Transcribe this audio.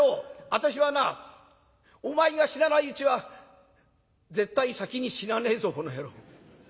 私はなお前が死なないうちは絶対先に死なねえぞこの野郎。